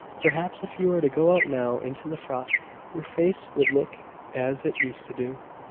"Perhaps if you were to go out now into the frost, your face would look as it used to do."